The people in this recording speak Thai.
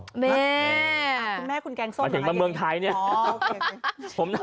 ใช่อ่ะคุณแม่คุณแกงส้มเหมือนกันอย่างนี้อ๋อโอเค